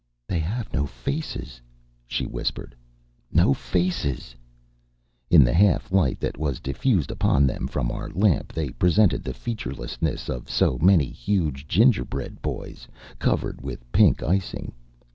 "They have no faces," she whispered. "No faces!" In the half light that was diffused upon them from our lamp they presented the featurelessness of so many huge gingerbread boys, covered with pink icing.